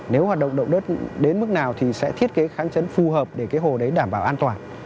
nếu hoạt động động đất đến mức nào thì sẽ thiết kế kháng chấn phù hợp để cái hồ đấy đảm bảo an toàn